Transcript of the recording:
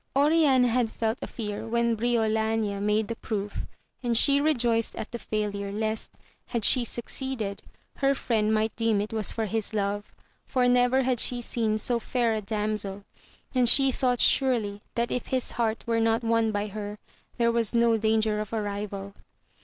Oriana had felt a fear when Briolania made the proof, and she rejoiced at the failure, lest, had she succeeded, her Inend might deem it was for his love, for never had she seen so fair a damsel, and she thought surely, that if his heart were not won by her, there was no danger of a rival.